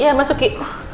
ya masuk ki